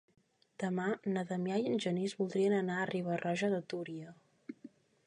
Demà na Damià i en Genís voldrien anar a Riba-roja de Túria.